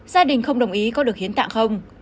gia đình không đồng ý có được hiến tạng không